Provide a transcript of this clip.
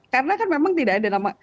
karena kan memang tidak ada nama